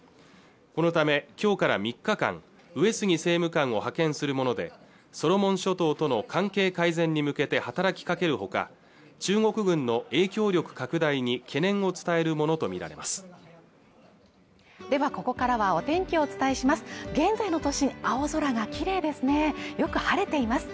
このためきょうから３日間上杉政務官を派遣するものでソロモン諸島との関係改善に向けて働きかけるほか中国軍の影響力拡大に懸念を伝えるものと見られますではここからはお天気お伝えします現在の都心青空が綺麗ですねよく晴れています